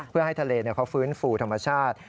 เพื่อให้ทะเลเขาฟื้นฟูธรรมชาติ